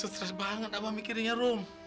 stres banget abah mikirnya rum